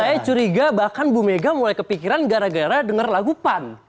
saya curiga bahkan bu mega mulai kepikiran gara gara dengar lagu pan